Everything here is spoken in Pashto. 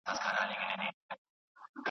رباب ګونګی سو مطربان مړه سول .